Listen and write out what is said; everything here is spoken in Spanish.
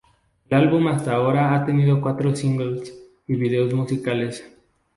El álbum hasta ahora ha tenido cuatro singles y videos musicales